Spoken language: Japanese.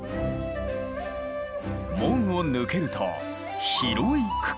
門を抜けると広い区画が。